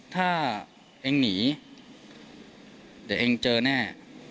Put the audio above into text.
ถ้าเองหนีเดี๋ยวเองเจอแน่